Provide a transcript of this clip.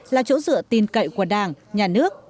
là chỗ dựa tin cậy của đảng nhà nước